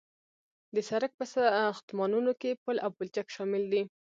د سرک په ساختمانونو کې پل او پلچک شامل دي